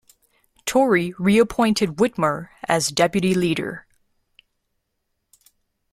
Tory re-appointed Witmer as deputy leader.